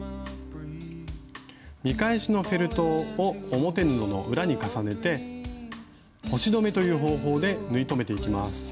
見返しのフェルトを表布の裏に重ねて星止めという方法で縫い留めていきます。